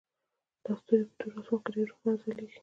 دا ستوري په تور اسمان کې ډیر روښانه ځلیږي